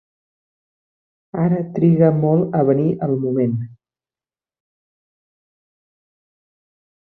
Ara triga molt a venir el moment.